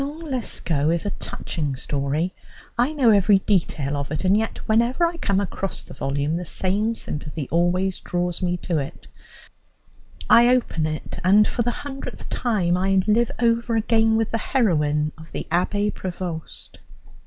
Manon Lescaut is a touching story. I know every detail of it, and yet whenever I come across the volume the same sympathy always draws me to it; I open it, and for the hundredth time I live over again with the heroine of the Abbé Prévost.